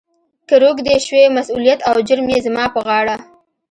« کهٔ روږدی شوې، مسولیت او جرم یې زما پهٔ غاړه. »